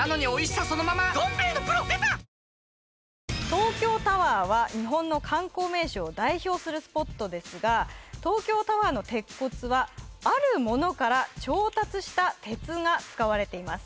東京タワーは日本の観光名所を代表するスポットですが東京タワーの鉄骨はあるものから調達した鉄が使われています